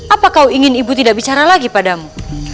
apa kau ingin ibu tidak bicara lagi padamu